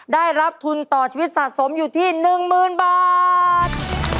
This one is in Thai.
ได้รับทุนต่อชีวิตสะสมอยู่ที่๑๐๐๐บาท